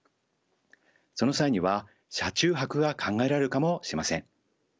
その際には車中泊が考えられるかもしれません。